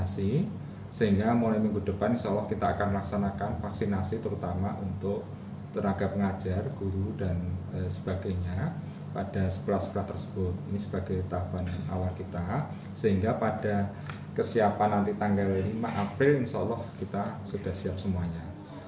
siapa nanti tanggal lima april insya allah kita sudah siap semuanya